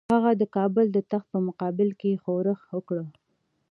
هغه د کابل د تخت په مقابل کې ښورښ وکړ.